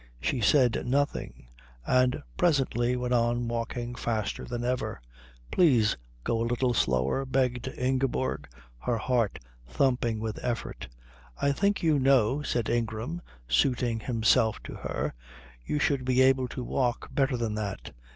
He said nothing, and presently went on walking faster than ever. "Please go a little slower," begged Ingeborg, her heart thumping with effort. "I think you know," said Ingram, suiting himself to her, "you should be able to walk better than that."